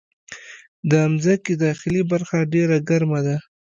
د مځکې داخلي برخه ډېره ګرمه ده.